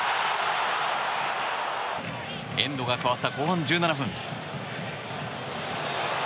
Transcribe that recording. エンドが変わった後半１７分。